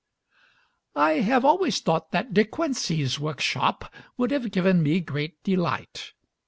I have always thought that De Quincey's workshop would have given me great delight.